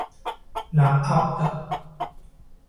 La Avda.